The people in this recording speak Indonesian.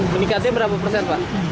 meningkatnya berapa persen pak